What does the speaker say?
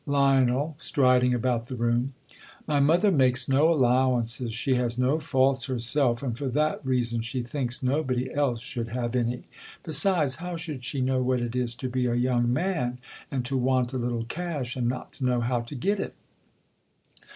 Lion, IStriding about the room.] My mother m^kcs no allowances. She has no faults herself, and for that reason she thinks nobody else should have any. }3e sides, how should she know what it is to be a young man ? and to want a little cash, and not to know how to get it